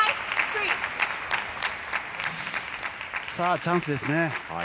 チャンスですね。